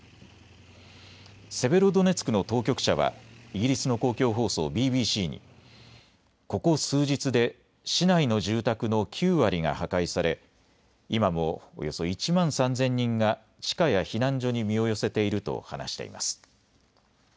セベロドネツクの当局者はイギリスの公共放送ＢＢＣにここ数日で市内の住宅の９割が破壊され今もおよそ１万３０００人が地下や避難所に身を寄せていると話しています。